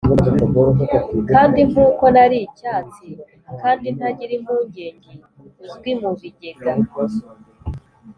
kandi nkuko nari icyatsi kandi ntagira impungenge, uzwi mu bigega